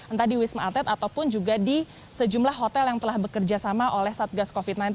entah di wisma atlet ataupun juga di sejumlah hotel yang telah bekerjasama oleh satgas covid sembilan belas